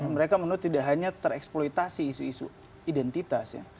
mereka menuntut tidak hanya tereksploitasi isu isu identitas ya